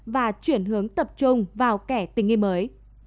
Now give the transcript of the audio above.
và chuyển hướng tập trung vào kẻ tình nghi mới